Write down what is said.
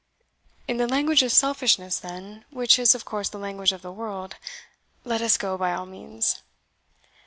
"In the language of selfishness, then, which is of course the language of the world let us go by all means."